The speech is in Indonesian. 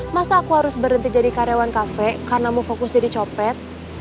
masa aku harus berhenti jadi karyawan kafe karena mau fokus jadi copet